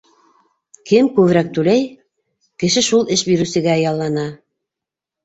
Кем күберәк түләй, кеше шул эш биреүсегә яллана.